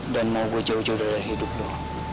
dan mau gue jauh jauh dari hidup lo